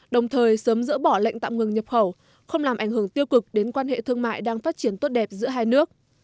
đồng thời sớm dỡ bỏ lệnh tạm ngừng nhập khẩu không làm ảnh hưởng tiêu cực đến quan hệ thương mại đang phát triển tốt đẹp giữa hai nước